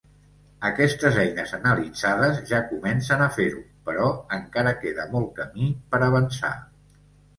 Aquestes eines analitzades ja comencen a fer-ho però encara queda molt camí per avançar.